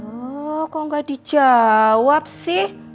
oh kok gak dijawab sih